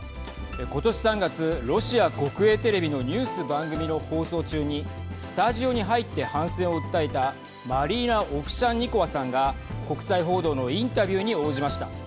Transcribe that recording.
ことし３月ロシア国営テレビのニュース番組の放送中にスタジオに入って反戦を訴えたマリーナ・オフシャンニコワさんが国際報道のインタビューに応じました。